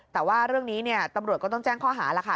แต่ว่าเรื่องนี้เนี่ยตำรวจก็ต้องแจ้งข้อหาแล้วค่ะ